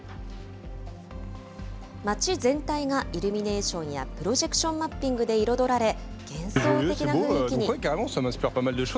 街全体がイルミネーションやプロジェクションマッピングで彩られ、幻想的な雰囲気に。